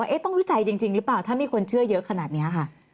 ต้องวิจัยจริงหรือเปล่าถ้ามีคนเชื่อเยอะขนาดนี้ค่ะ